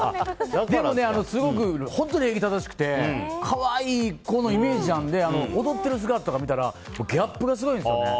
でもすごく本当に礼儀正しくて可愛い子のイメージなので踊っている姿とか見たらギャップがすごいんですよね。